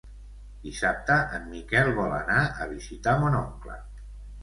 Dissabte en Miquel vol anar a visitar mon oncle.